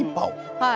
はい。